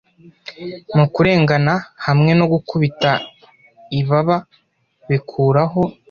mu kurengana hamwe no gukubita ibaba bikuraho